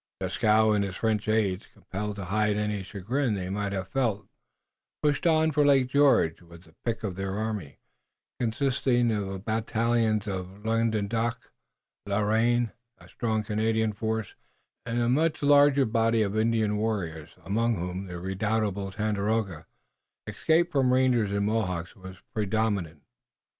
Dieskau and his French aides, compelled to hide any chagrin they may have felt, pushed on for Lake George with the pick of their army, consisting of the battalions of Languedoc, and La Reine, a strong Canadian force, and a much larger body of Indian warriors, among whom the redoubtable Tandakora, escaped from rangers and Mohawks, was predominant.